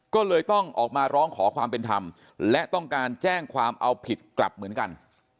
ก็เลยต้องออกมาร้องขอความเป็นธรรมและต้องการแจ้งความเอาผิดกลับเหมือนกัน